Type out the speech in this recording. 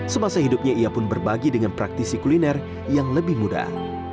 semasa hidupnya ia pun berbagi dengan praktisi kuliner yang lebih mudah